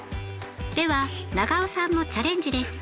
では永尾さんもチャレンジです。